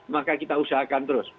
maka kita usahakan terus